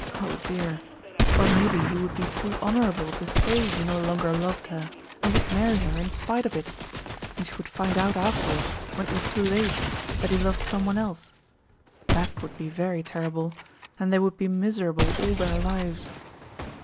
Oh, dear! Or maybe he would be too honorable to say he no longer loved her, and would marry her in spite of it; and she would find out afterward, when it was too late, that he loved some one else; that would be very terrible, and they would be miserable all their lives.